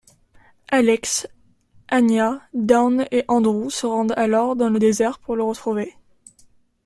Alex, Anya, Dawn et Andrew se rendent alors dans le désert pour le retrouver.